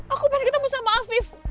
aku baru ketemu sama afif